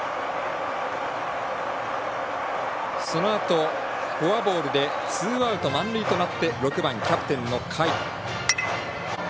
そのあと、フォアボールでツーアウト満塁となって６番キャプテンの甲斐。